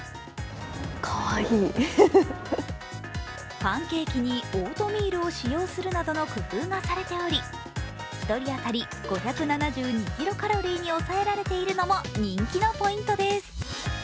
パンケーキにオートミールを使用するなどの工夫がされており一人当たり５７２キロカロリーに抑えられているのも人気のポイントです。